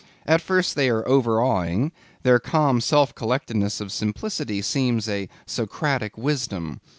At first they are overawing; their calm self collectedness of simplicity seems a Socratic wisdom.